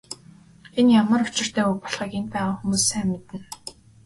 Энэ ямар учиртай үг болохыг энд байгаа хүмүүс сайн мэднэ.